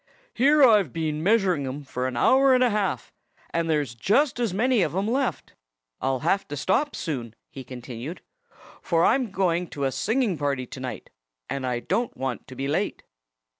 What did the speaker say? "Here I've been measuring 'em for an hour and a half; and there's just as many of 'em left. ... I'll have to stop soon," he continued, "for I'm going to a singing party to night. And I don't want to be late."